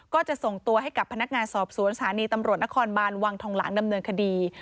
ก็จะส่งตัวให้กับพนักงานสอบสวนสถานีตำรวจนครบานวังทองหลางดำเนินคดี